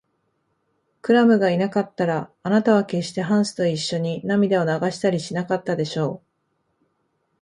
クラムがいなかったら、あなたはけっしてハンスといっしょに涙を流したりしなかったでしょう。